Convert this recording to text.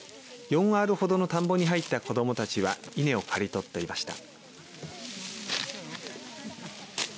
４アールほどの田んぼに入った子どもたちは稲を刈り取っていました。